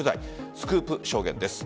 スクープ証言です。